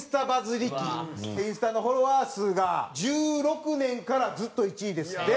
インスタのフォロワー数が２０１６年からずっと１位ですって。